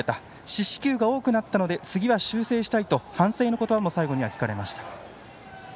四死球が多くなったので次は修正したいと反省の言葉も最後には聞かれました。